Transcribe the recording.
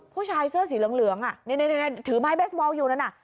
ผู้ชายเสื้อสีเหลืองอะเนี่ยถือไม้เบสเมาค์อยู่เนี้ยนะ